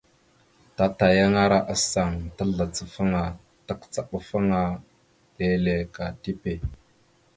Tatayaŋara asaŋ tazlacafaŋa takəcaɗafaŋa leele ka tipe.